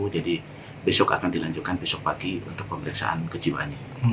jadi besok akan dilanjutkan besok pagi untuk pemeriksaan kejiwanya